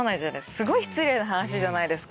すごい失礼な話じゃないですか